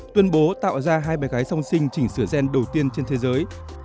tuân bố tạo ra hai bài gái song sinh chỉnh sửa gen đầu tiên trên thế giới